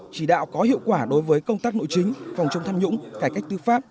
chỉ đạo có hiệu quả đối với công tác nội chính phòng chống tham nhũng cải cách tư pháp